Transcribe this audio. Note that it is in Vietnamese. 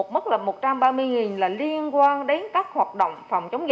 một mức là một trăm ba mươi là liên quan đến các hoạt động phòng chống dịch